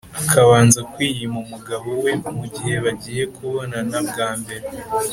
akabanza kwiyima umugabo we mu gihe bagiye kubonana bwa mbere.